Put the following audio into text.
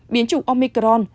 biến chủng omicron